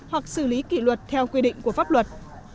hoặc xử lý kỷ luật theo quy định của pháp luật